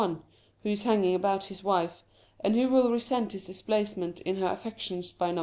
I, who is hanging about his wife, and who will resent his displacement in her affections by No.